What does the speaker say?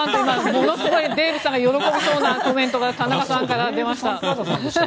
ものすごいデーブさんが喜びそうなコメントが田中さんから出ました。